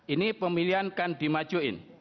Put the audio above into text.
ini pemilihan kan dimacuin